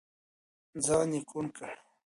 ځان يې کوڼ کړ.